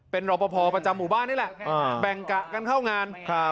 เป็นรอปภประจำหมู่บ้านนี่แหละแบ่งกะกันเข้างาน